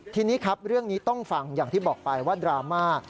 ทีนี้ครับเรื่องนี้ต้องฟังอย่างที่บอกไปว่าดราม่า